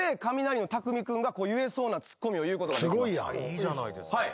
いいじゃないですか。